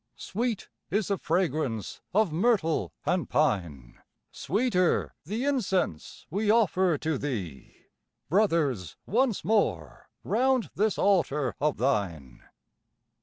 Sweet is the fragrance of myrtle and pine, Sweeter the incense we offer to thee, Brothers once more round this altar of thine!